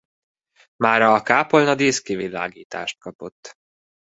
Mára a kápolna díszkivilágítást kapott.